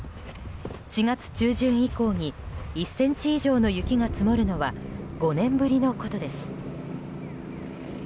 ４月中旬以降に１ｃｍ以上の雪が積もるのは５年ぶりのことです。